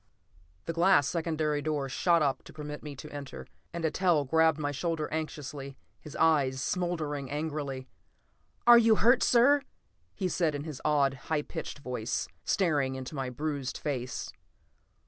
The glass secondary door shot up to permit me to enter, and Eitel gripped my shoulder anxiously, his eyes smoldering angrily. "You're hurt, sir!" he said in his odd, high pitched voice, staring into my bruised face.